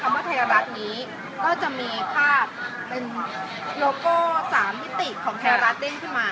ว่าไทยรัฐนี้ก็จะมีภาพเป็นโลโก้๓มิติของไทยรัฐเด้งขึ้นมา